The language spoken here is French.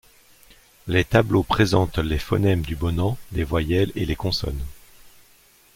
Les tableaux présentent les phonèmes du bonan, les voyelles et les consonnes.